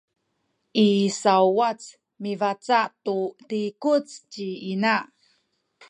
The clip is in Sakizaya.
i sauwac mibaca’ tu zikuc ci ina